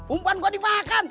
umbuan gue dimakan